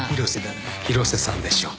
広瀬さんでしょ。